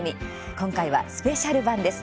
今回はスペシャル版です。